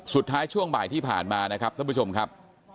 สุดท้ายช่วงบ่ายที่ผ่านมาท่านผู้ชมครับ